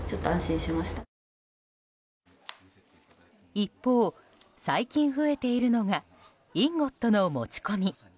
一方、最近増えているのがインゴットの持ち込み。